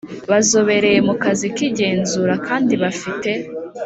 bazobereye mu kazi k igenzura kandi bafite